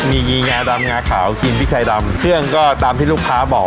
มีงีงาดำงาขาวกินพริกไทยดำเครื่องก็ตามที่ลูกค้าบอก